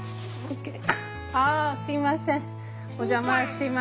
ああすいませんお邪魔します。